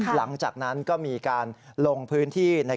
หลังจากนั้นก็มีการลงพื้นที่